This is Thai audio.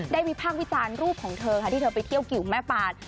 วิพากษ์วิจารณ์รูปของเธอค่ะที่เธอไปเที่ยวกิวแม่ปาน